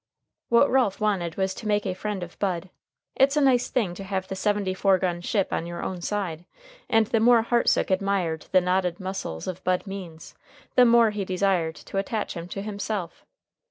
What Ralph wanted was to make a friend of Bud. It's a nice thing to have the seventy four gun ship on your own side, and the more Hartsook admired the knotted muscles of Bud Means the more he desired to attach him to himself.